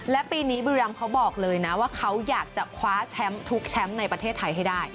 และปีนี้บุรีรำเขาบอกเลยนะว่าเขาอยากจะคว้าแชมป์ทุกแชมป์ในประเทศไทยให้ได้